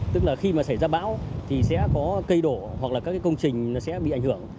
tức là khi mà xảy ra bão thì sẽ có cây đổ hoặc là các cái công trình sẽ bị ảnh hưởng